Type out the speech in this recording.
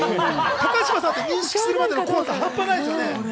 高嶋さんと認識するまでの怖さ半端ないですよね。